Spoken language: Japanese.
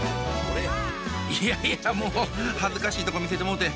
いやいやもう恥ずかしいとこ見せてもうて。